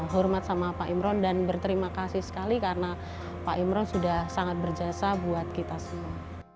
hormat sama pak imron dan berterima kasih sekali karena pak imron sudah sangat berjasa buat kita semua